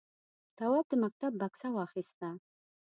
تواب د مکتب بکسه واخیسته.